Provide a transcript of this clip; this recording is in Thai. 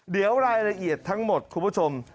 เดี๋ยวรายละเอียดทั้งหมดคุณผู้ชม